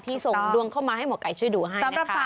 ส่งดวงเข้ามาให้หมอไก่ช่วยดูให้